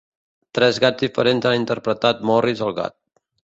Tres gats diferents han interpretat Morris el Gat.